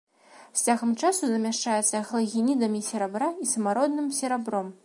З цягам часу замяшчаецца галагенідамі серабра і самародным серабром.